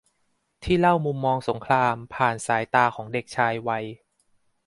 ที่เล่ามุมมองสงครามผ่านสายตาของเด็กชายวัย